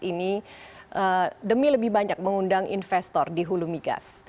ini demi lebih banyak mengundang investor di hulu migas